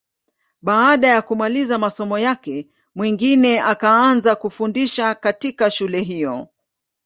Baada ya kumaliza masomo yake, Mwingine akaanza kufundisha katika shule hiyo.